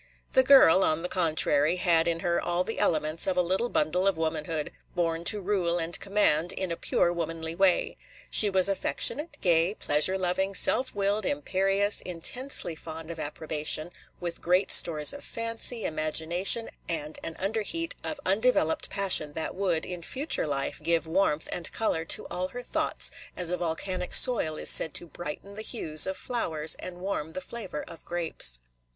The girl, on the contrary, had in her all the elements of a little bundle of womanhood, born to rule and command in a pure womanly way. She was affectionate, gay, pleasure loving, self willed, imperious, intensely fond of approbation, with great stores of fancy, imagination, and an under heat of undeveloped passion that would, in future life, give warmth and color to all her thoughts, as a volcanic soil is said to brighten the hues of flowers and warm the flavor of grapes.